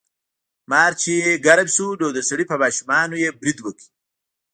مار چې ګرم شو نو د سړي په ماشومانو یې برید وکړ.